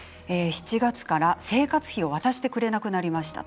７月から生活費を渡してくれなくなりました。